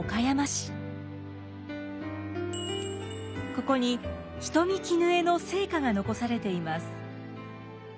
ここに人見絹枝の生家が残されています。